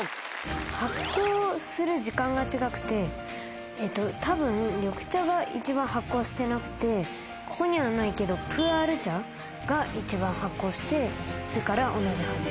発酵する時間が違くて多分緑茶が一番発酵してなくてここにはないけどプーアル茶が一番発酵してるから同じ葉です。